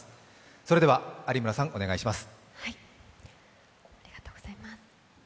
それでは有村さん、お願いします。